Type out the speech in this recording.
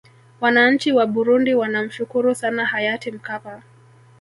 wananchi wa burundi wanamshukuru sana hayati mkapa